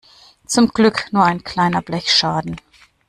Zum Glück nur ein kleiner Blechschaden.